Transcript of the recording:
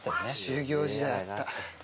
修業時代あった。